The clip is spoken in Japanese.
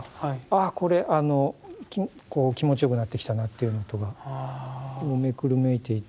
あこれ気持ちよくなってきたなっていうようなことがめくるめいていて。